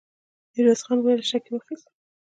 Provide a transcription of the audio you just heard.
ميرويس خان وويل: شک يې واخيست!